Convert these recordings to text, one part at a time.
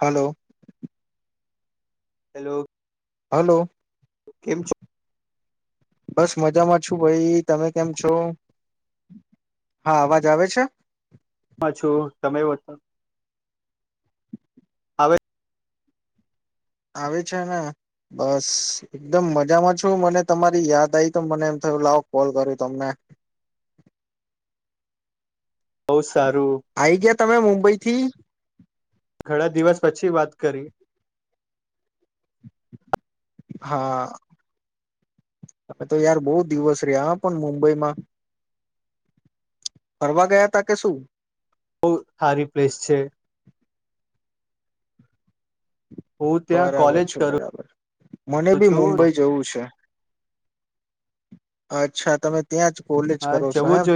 હાલો hello hello કેમ છો બસ મજામાં છું ભાઈ તમે કેમ છો હા અવાજ આવે છે હછું તમે છ હવે આવે છે ને બસ એકદમ મજામાં છું મને તમારી યાદ આવી તો મને એમ લાવ કોલ કર તમને બવ સર આવીઈ ગયા તમે મુંબઈ થી ઘણા દિવસ પછી વાત કરી હા હવે તો યાર બહુ દિવસ રહ્યા પણ મુંબઈમાં ફરવા ગયા તા કે શું બહુ સારી પ્લેસ છે હું ત્યાં બરાબર કોલેજ છે કરું બરાબર મને બી છું મુંબઈ જવું છે અચ્છા તમે ત્યાં જ કોલેજ હા, કરો છો એમ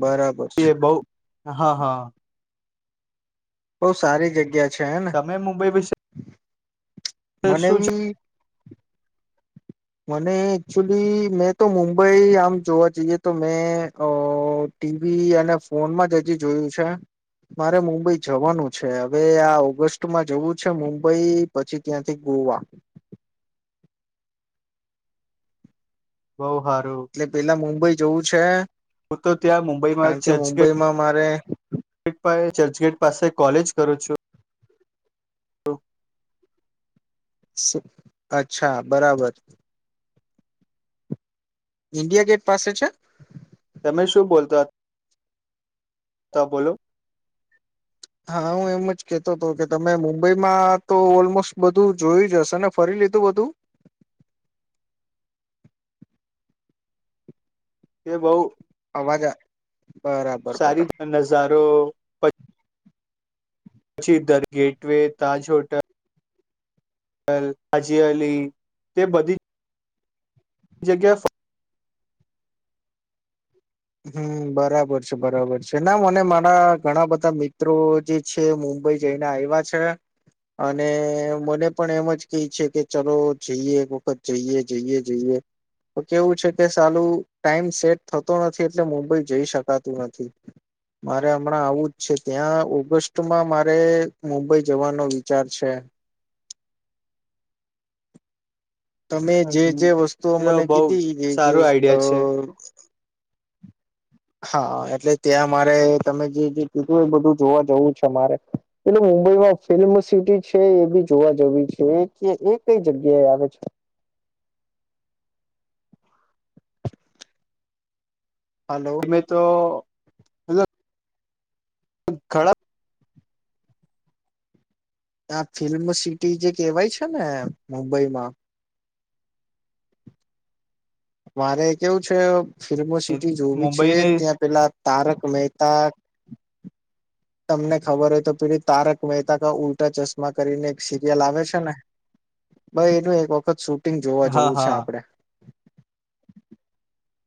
બરાબર એ છે બહ હા હા બહુ સારી જગ્યા છે હેને તમે મુંબઈ વિશે મને બ શું જ મને એકચુલી મેં તો મુંબઈ આમ જોવા જઈએ તો મેં અ ટીવી અને ફોનમાં જ હજી જોયું છે મારે મુંબઈ જવાનું છે હવે આ ઓગસ્ટમાં જવું છે મુંબઈ પછી ત્યાંથી ગોવા બહ એટલે પેલા મુંબઈ જવું છે હું તો ત્યાં મુંબઈમાં કારણ કે ચર્ચગેટ મુંબઈમાં મારે [unintelligible] ચર્ચગેટ પાસે કોલેજ કરું છું. તો અચ્છા બરાબર ઇન્ડિયા ગેટ પાસે છે. તમે શું બોલતા ત બોલો? હા હું એમ જ કેહતો હતો કે તમે મુંબઈમાં તો ઓલમોસ્ટ બધું જોયું જ હશે ને ફરી. લીધું બધું? કે બઉ? અવાજા સારીજ નજારો પર પછી દર ગેટવેે તાજ હોટલ. હાજી અલી તે બધી જગ્યા હમ બરાબર છે બરાબર છે ના મને મારા ઘણા બધા મિત્રો જે છે મુંબઈ જઈને આઇવા છે. અને મને પણ એમ જ કહી છે કે ચલો જઈએ એક વખત જઈએ જઈએ જઈએ. તો કેવું છે કે સાલું ટાઈમ સેટ થતો નથી. છે એટલે મુંબઈ જઈ શકાતું નથી. મારે હમણાં આવું જ છે ત્યાં ઓગસ્ટમાં મારે મુંબઈ જવાનો વિચાર છે. તમે જે હમ જે વસ્તુઓ એ તો મને બઉ કીધી જે જે સારું આઈડિયા છે અઅઅ હા એટલે ત્યાં મારે તમે જે જે કીધું એ બધું જોવા જવું છે મારે. મુંબઈમાં ફિલ્મસિટી છે એ બી જોવા જેવી છે કે એ કઈ જગ્યાએ આવે છે? [inaudible] હલો અમે તો મતલબ ખડા આ ફિલ્મસિટી જે કહેવાય છે ને મુંબઈમાં મારે કેવું છે ફિલ્મો સિટી જોવી છે મુંબઈની ત્યાં પેલા તારક મહેત તા તમને ખબર હોય તો પેલી તારક મહેતા કા ઉલ્ટા ચશ્મા કરીને એક સિરિયલ આવે છે ને ભાઈ એનું એક વખત શૂટિંગ જોવા હા જવું છે હા આપણેે.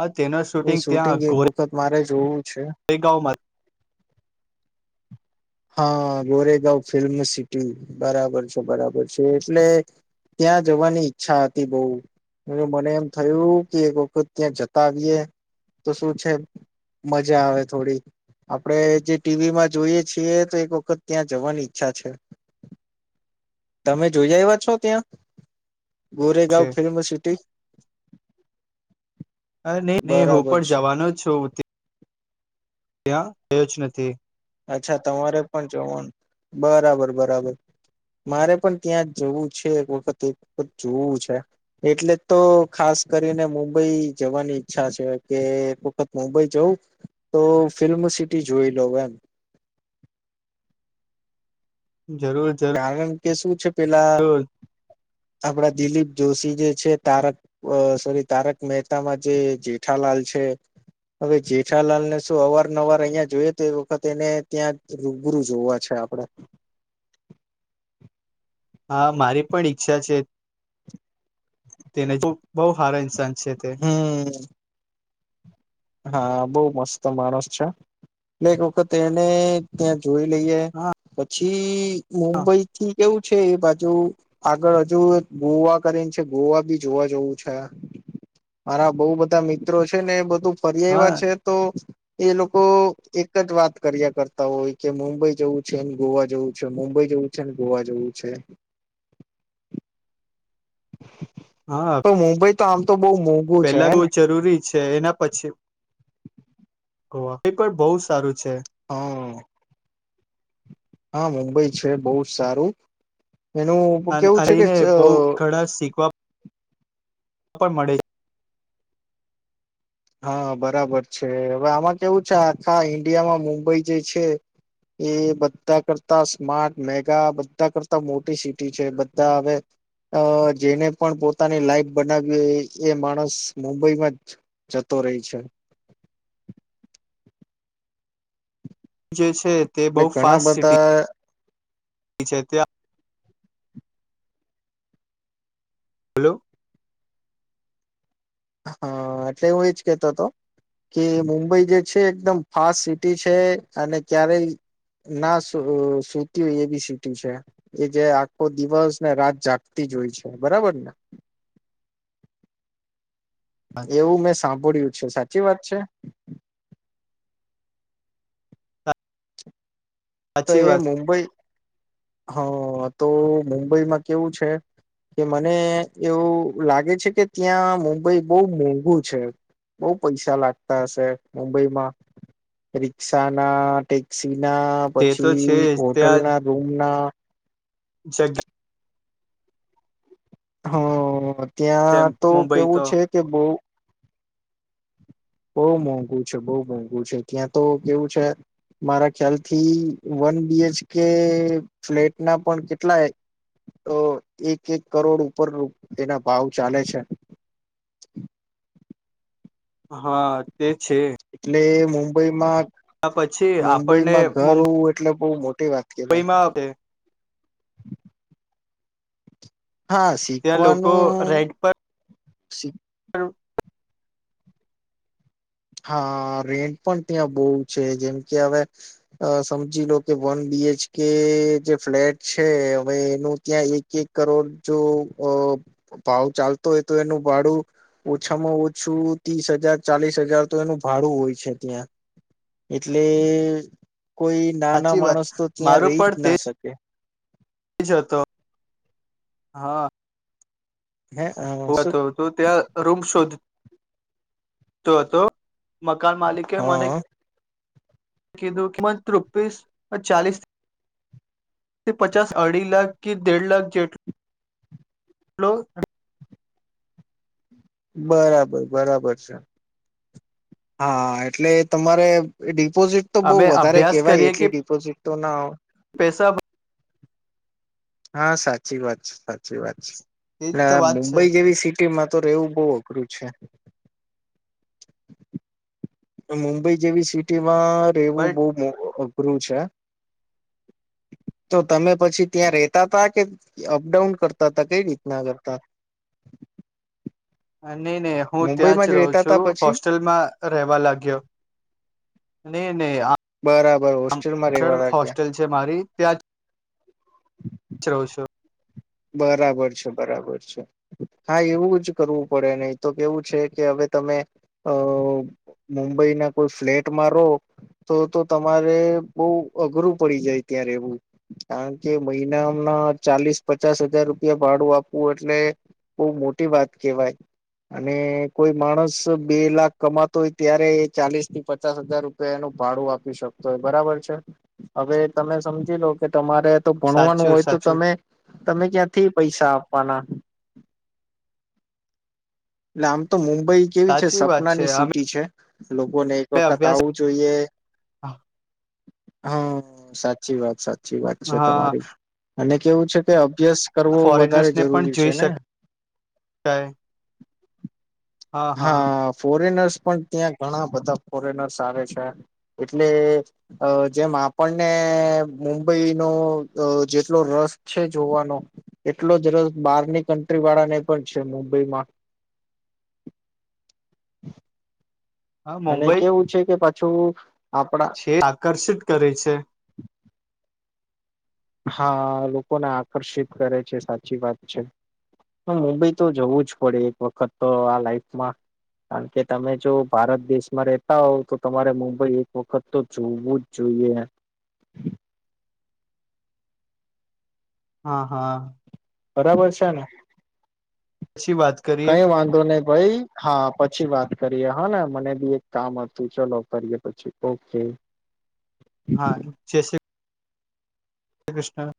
હ તેના એ શૂટિંગ ત્યાં એક ગોરે વખત મારે જોવું છે ગાવમાં હા ગોરેગાંવ ફિલ્મ સિટી બરાબર છે બરાબર છે એટલે ત્યાં જવાની ઈચ્છા હતી બહુ. એ મને એમ થયું કે એક વખત ત્યાં જતા આવીએ તો શું છે મજા આવે થોડી, આપડણે જે ટીવીમાં જોઈએ છીએ તો એક વખત ત્યાં જવાની ઈચ્છા છે. તમે જોઈ આવ્યા છો ત્યાં? છે ગોરેગાંવ ફીઈમ સિટી. અ ને ને હું બરાબર પણ છે જવાનો છું ત્યાં ત્યાં થયો જ નથી. અચ્છા તમારે પણ જોવાનું બરાબર બરાબર. મારે પણ ત્યાં જવું છે. એક વખત એક વખત જોવું છે એટલે તો ખાસ ખાસ કરીને મુંબઈ જવાની ઈચ્છા છે. કે એક વખત મુંબઈ જવું તો ફિલ્મ ફિલ્મ સિટી જોઈ લો એમ. જરૂર કારણ કે શું છે પેલા જરૂર આપડા દિલીપ જોશી જે છે તારક સોરી તારક મહેતામાં જે જેઠાલાલ છે હવે જેઠાલાલ ને શું અવારનવાર અહિયાં જોઈએ તો એ વખત એને ત્યાં રૂબરૂ જોવા છે. આપડે હા મારી પણ ઈચ્છા છે, તેને જોવુ બહો હારા ઇન્સાન છે તે હમમ! હા બહુ મસ્ત માણસ છે એક વખત એને ત્યા જોઈ લઈએ પછી હા મુંબઈ થી કેવું છે એ બાજુ આગળ હજુ ગોવા કરીને છે ગોવા બી જોવા જવું છે મારા બહુ બધા મિત્રો છે ને એ બધું ફરી્યા હા એવા છે તો એ લોકો એક જ વાત કર્યા કરતા હોય કે મુંબઈ જવું છે ગોવા જવું છે મુંબઈ જેવું છે ને ગોવા જેવું છે હા તો મુંબઈ તો આમ તો બહુ મોંઘું છે પેલા બહુ હેને જરૂરી છે એના પછી ઓ એ પણ બહુ સારું છે હા હા મુંબઈ છે બહુ સારું એનું અને કેવું છે કે એને બહુ ઘણા શીખવા પણ મળે હા બરાબર છે હવે આમાં કેવું છે આખા ઈન્ડિયામાં મુંબઈ જે છે એ બધા કરતા સ્માર્ટ મેગા બધા કરતા મોટી સિટી છે બધા હવે અ જેને પણ પોતાની લાઈફ બનાવી એ માણસ મુંબઈમાં જ જતો રહે છે જે છે તે બહુ એટલે ઘણા ફાસ્ટ સિટી બધા એ છેે તેઆ હલો હા એટલે હું એજ કેતો હતો કે મુંબઈ જે છે એકદમ ફાસ્ટ સિટી છે અને ક્યારેય ના સુ સુતી હોય એવી સીટી છે એ જે આખો દિવસને રાત જાગતી જોય છે બરાબરને એવું મેં સાંભળ્યું છે સાચી વાત છે. તો સાચી એ વાત મુંબઈ હા તો મુંબઈમાં કેવું છે. કે મને એવું લાગે છે કે ત્યાં મુંબઈ બહુ મોંઘું છે. બઉ પૈસા લાગતા હશે મુંબઈમાં રિક્ષાના ટેક્સીના તે તો છે પછી હોટલના રૂમના જગા હમ છે ત્યાં તો મુંબઈ કેવું તો છે કે બોવ બોવ મોઘું બોવ મોઘું છે ત્યાતો કેવું છે મારા ખ્યાલથી વન બીએચ કે ફ્લેટના પણ કેટલા તો એક એક કરોડ ઉપર તેના ભાવ ચાલે છે. [inaudible] હા તે છે એટલે મુંબઈમાં પછી આપણને મુંબઈમાં ઘર હોવું એટલે બોવ મોટી વાત કેવાય મુંબઈમાં આવે [inaudible] હા ત્યાં શીખવાનું લોકો રેન્ટ પર શી [inaudible] હા રેન્ટ પણ ત્યાં બોવ છે જેમ કે હવે અ સમજી લો કે વન બી બી એચકે જે ફ્લેટ છે હવે એનું ત્યાં એક એક કરોડ જો અ ભાવ ચાલતો હોય તો એનું ભાડું ઓછામાં ઓછું ત્રીસ હજાર ચાલીસ હજાર તો એનું ભાડું હોય છે ત્યાં એટલે કોઈ નાના સાચી વાત માણસ તો ત્યાં રહીજ ના શકે એજ હતો હા હે અ હુ શું હતો તો ત્યાં રૂમ શોધ તો તો મકાન માલિકે મને હા કીધું કિમત રૂપીસ અને ચલીસ થી પચાસ અઢી લાખ કે દેઢ લાખ જેટલું લો બરાબર બરાબર છે. હા એટલે તમારે ડી ડિપોઝિટ તો બોવ અમે વધારે અભ્યાસ કેવાય કરીએ કે એટલી ડિપોઝિટ તો ના પૈસા હા સાચી વાત છે સાચી વાત છે એજ એટલે તો વાત છે મુંબઈ જેવી સિટીમાં તો રહેેવું બોવ અઘરું છે. મુંબઈ જેવી સિટીમાં રહેેવું બોવ બટ મો અ અઘરું છે. [inaudible] તો તમે પછી ત્યાં રેતા તા કે અપડાઉન કરતા હતા કઈ રીતના કરતા [inaudible] નહી નહી હું ત્યાં મુંબઈમાં જ રહું રેતા તા છું પછી હોસ્ટેલમાં રહેવા લાગ્યો નહી નહી બરાબર આ હોસ્ટેલમાં રેવા લાગ્યા હોસ્ટેલ છે મારી ત્યાં જ રહુ છુ. બરાબર છે બરાબર છે હા એવું જ કરવું પડે નહી તો કેવું છે કે હવે તમે અ મુંબઈના કોઈ ફ્લેટમાં રહો તો તો તમારે બોવ અઘરું પડી જાય ત્યાં રેહવું કારણ કે મહિના ના ચાલીસ પચાસ હજાર રૂપિયા ભાડું આપવું એટલે બહ મોટી વાત કેવાય અને કોઈ માણસ બે લાખ કમાતો હોય ત્યારે ચાલીસ થી પચાસ હજાર રૂપિયાનો ભાડું આપી શકતો હોય બરાબર છે હવે તમે સમજી લો કે તમારે તો ભણવાનું સાચું હોય તો સાચું તમે તમે ક્યાંથી પૈસા આપવાના એટલે આમ તો મુંબઈ કેવી છે સાચી વાત છે સપનાની અમે સિટી છે લોકો ને એક વખત અભ્યાસ આવું જોઈએ હા સાચી વાત સાચી વાત છે હા તમારી અને કેવું છે કે અભ્યાસ કરવો ફોરેનર્સ વધારે ને પણ જરૂરી છે જોઈ ને શકાય હા ફોરેનર્સ ત્યાં ઘણા બધા ફોરેનર્સ આવે છે એટલે જેમ આપણને મુંબઈ નો જેટલો રસ છે જોવાનો એટલો જ રસ બારની કન્ટ્રી વાળા ને પણ છે મુંબઈમાં [unintelligible] હા અને મુંબઈ કેવું છે કે પાછું આપણા છે આકર્ષિત કરે છે હા લોકોને આકર્ષિત કરે છે સાચી વાત છે મોબી તો જવું જ પડે એક વખત તો આ લાઈફમાં કારણ કે તમે જો ભારત દેશમાં રતા હોવ તો તમારે મુંબઈ એક વખત તો જોવું જ જોઈએ [unintelligible] હા હા બરાબર છે ને પછી વાત કરીએ કઈ વાંધો નહી ભાઈ હા પછી વાત કરીએ હા ને મને બી એક કામ હતું ચલો કરીએ પછી ઓકે હા ચ હરે કૃષ્ણ